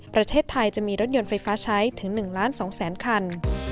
ประเทศไทยจะมีรถยนต์ไฟฟ้าใช้ถึง๑ล้าน๒แสนคัน